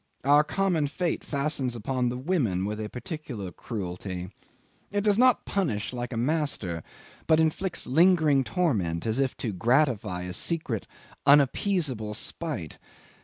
... our common fate fastens upon the women with a peculiar cruelty. It does not punish like a master, but inflicts lingering torment, as if to gratify a secret, unappeasable spite.